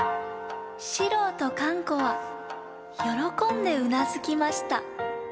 四郎とかん子はよろこんでうなずきました。